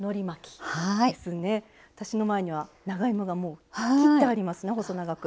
私の前には長芋がもう切ってありますね細長く。